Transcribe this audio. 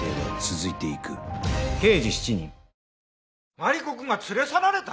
マリコくんが連れ去られた！？